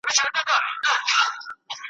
بیا نو که هر څومره قوي پیغام هم ولري ,